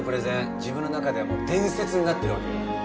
自分の中で伝説になってるわけよ。